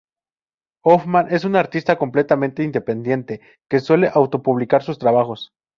Hoffman es un artista completamente independiente, que suele auto publicar sus trabajos.